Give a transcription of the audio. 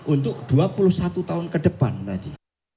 untuk dua puluh satu tahun ke depan tadi